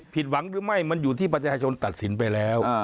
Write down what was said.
ผิดหวังหรือไม่มันอยู่ที่ประชาชนตัดสินไปแล้ว